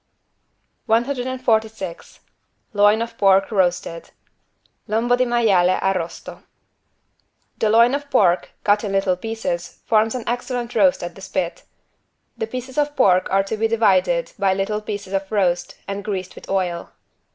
146 LOIN OF PORK ROASTED (Lombo di maiale arrosto) The loin of pork, cut in little pieces forms an excellent roast at the spit. The pieces of pork are to be divided by little pieces of toast and greased with oil.